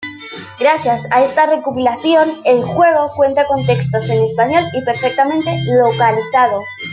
Gracias a esta recopilación el juego cuenta con textos en español y perfectamente localizado.